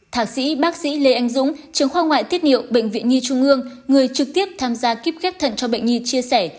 thạc sĩ bác sĩ lê anh dũng trường khoa ngoại tiết niệu bệnh viện nhi trung ương người trực tiếp tham gia kíp ghép thận cho bệnh nhi chia sẻ